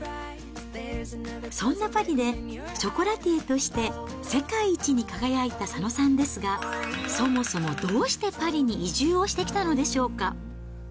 そんなパリで、ショコラティエとして世界一に輝いた佐野さんですが、そもそもどうしてパリに移住をしてきたのでしょうか。